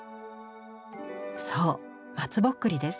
そうまつぼっくりです。